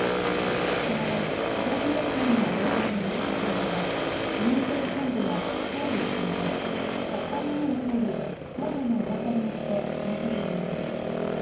その後、安倍元総理のご遺体を乗せた車は自民党本部や総理官邸国会前を通り最後のお別れをして斎場に向かいます。